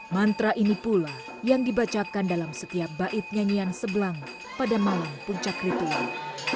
mantra ini pula yang dibacakan dalam setiap bait nyanyian sebelang pada malam puncak ritual